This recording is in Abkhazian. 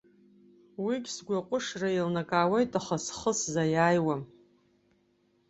Уигьы сгәы аҟәышра еилнакаауеит, аха схы сзаиааиуам.